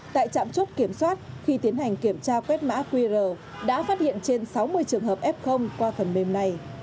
tại trạm chốt kiểm soát khi tiến hành kiểm tra quét mã qr đã phát hiện trên sáu mươi trường hợp f qua phần mềm này